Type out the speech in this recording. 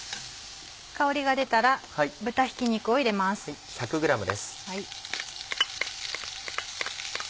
香りが出たら豚ひき肉を入れます。